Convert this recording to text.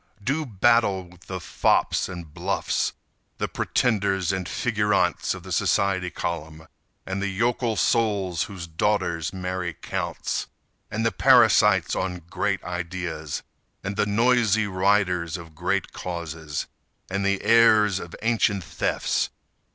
Do battle with the fops and bluffs, The pretenders and figurantes of the society column And the yokel souls whose daughters marry counts; And the parasites on great ideas, And the noisy riders of great causes, And the heirs of ancient thefts.